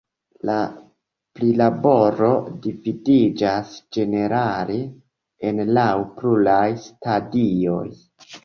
La prilaboro dividiĝas ĝenerale en laŭ pluraj stadioj.